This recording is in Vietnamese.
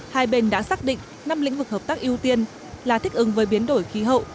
hai bên đã xác định năm lĩnh vực hợp tác ưu tiên là thích ứng với biến đổi khí hậu